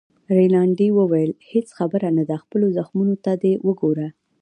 رینالډي وویل: هیڅ خبره نه ده، خپلو زخمو ته دې وګوره.